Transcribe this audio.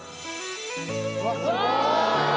うわ！